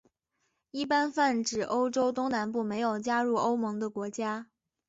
一般泛指欧洲东南部没有加入欧盟的国家。